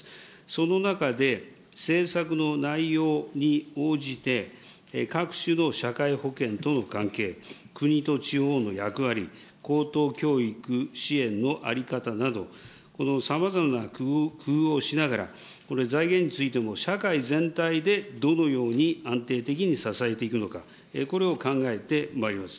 その中で、政策の内容に応じて、各種の社会保険との関係、国と地方の役割、高等教育支援の在り方など、さまざまな工夫をしながら、財源についても社会全体でどのように安定的に支えていくのか、これを考えてまいります。